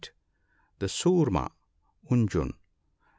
The socrma. — (Unjun.)